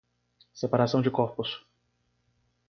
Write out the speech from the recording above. separação de corpos